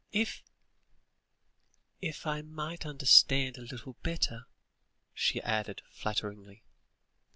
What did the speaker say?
If if I might understand a little better?" she added falteringly.